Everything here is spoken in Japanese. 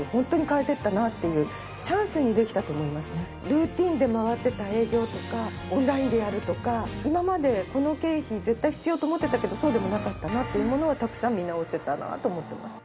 ルーティンで回ってた営業とかオンラインでやるとか今までこの経費絶対必要と思ってたけどそうでもなかったなというものはたくさん見直せたなと思ってます。